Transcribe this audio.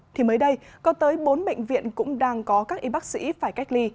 thì mới đây có tới bốn bệnh viện cũng đang có các y bác sĩ phải cách ly